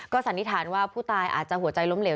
สันนิษฐานว่าผู้ตายอาจจะหัวใจล้มเหลว